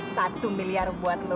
satu miliar buat lo